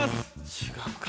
違うか。